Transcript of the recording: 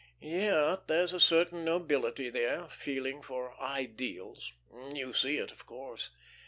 Yet there's a certain nobility there, a feeling for ideals. You see it, of course....